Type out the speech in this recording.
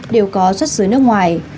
đều có xuất xứ nước ngoài